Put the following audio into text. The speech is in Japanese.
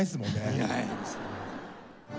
いないですね。